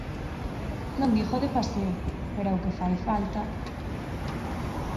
Non digo de paseo, pero ao que fai falta...